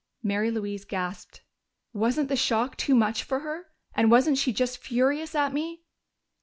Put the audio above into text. Mary Louise gasped. "Wasn't the shock too much for her? And wasn't she just furious at me?"